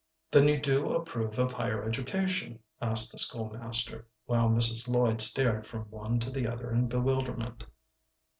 "Then you do approve of a higher education?" asked the school master, while Mrs. Lloyd stared from one to the other in bewilderment.